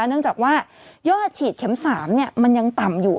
เนื่องจากว่ายอดฉีดเข็ม๓มันยังต่ำอยู่